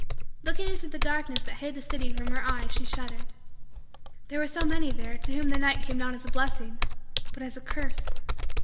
Looking into the darkness that hid the city from her eyes she shuddered. There were so many there to whom the night came not as a blessing, but as a curse.